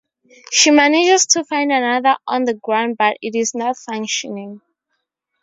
She manages to find another on the ground but it is not functioning.